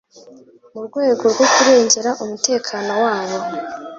mu rwego rwo kurengera umutekano wabo